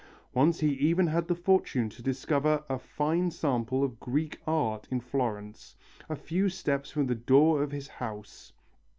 Once he even had the fortune to discover a fine sample of Greek art in Florence, a few steps from the door of his house.